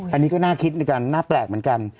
อันนี้ก็น่าคิดดีกว่าน่าแปลกเหมือนกัน